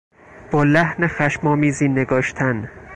با لحن خشم آمیزی نگاشتن